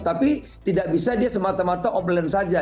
tapi tidak bisa dia semata mata offline saja